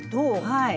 はい。